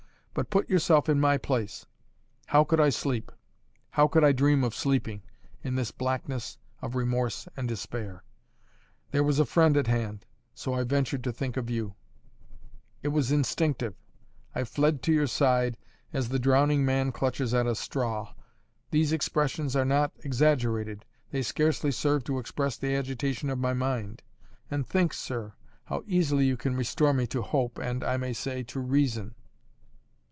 But put yourself in my place how could I sleep how could I dream of sleeping, in this blackness of remorse and despair? There was a friend at hand so I ventured to think of you; it was instinctive; I fled to your side, as the drowning man clutches at a straw. These expressions are not exaggerated, they scarcely serve to express the agitation of my mind. And think, sir, how easily you can restore me to hope and, I may say, to reason.